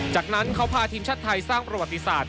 จากนั้นเขาพาทีมชาติไทยสร้างประวัติศาสต